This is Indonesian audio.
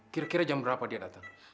kira kira jam berapa dia datang